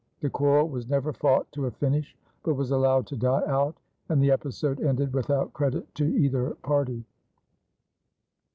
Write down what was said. The quarrel was never fought to a finish but was allowed to die out, and the episode ended without credit to either party.